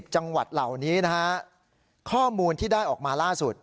จังหวัดเหล่านี้นะฮะข้อมูลที่ได้ออกมาล่าสุด